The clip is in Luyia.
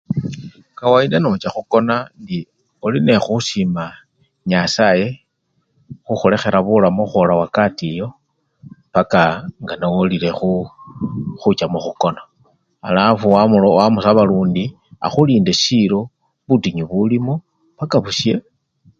Kawayida nocha khukona Ee olinekhusima nyasaye khukhulekhela bulamu khukhwola wakati eyo paka ngaaa! nowolile khucha mukhukona alafu wamusaba lundi akhulinde silo butinyu bulimo paka bushe.